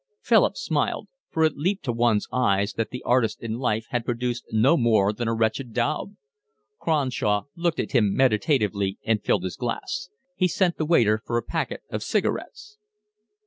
Philip smiled, for it leaped to one's eyes that the artist in life had produced no more than a wretched daub. Cronshaw looked at him meditatively and filled his glass. He sent the waiter for a packet of cigarettes.